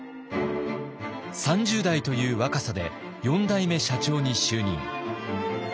３０代という若さで４代目社長に就任。